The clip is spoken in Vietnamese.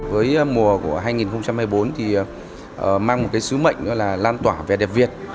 với mùa của hai nghìn hai mươi bốn thì mang một sứ mệnh là lan tỏa vẻ đẹp việt